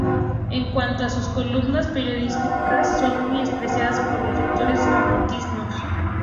En cuanto a sus columnas periodísticas, son muy apreciadas por los lectores granadinos.